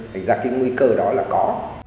thì ra cái nguy cơ đó là có